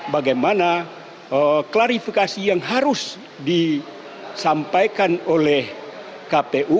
bagaimana klarifikasi yang harus disampaikan oleh kpu